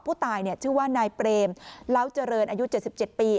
ผู้ตายชื่อว่านายเปรมเล้าเจริญอายุ๗๗ปี